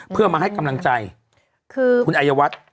เพื่อมาให้กำลังใจคือคุณอายวัฒน์